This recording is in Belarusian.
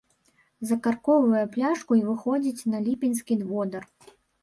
Закаркоўвае пляшку й выходзіць на ліпеньскі водар.